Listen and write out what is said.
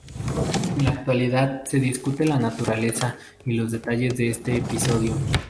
En la actualidad se discute la naturaleza y los detalles de este episodio.